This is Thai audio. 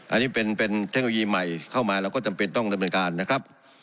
อันนี้เป็นเทคโนโลยีใหม่เข้ามาเราก็จำเป็นต้องดำเนินการนะครับ